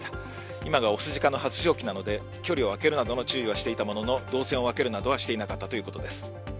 今が雄鹿の発情期なので、距離を開けるなどの注意はしていたものの、動線を分けるなどはしていなかったということです。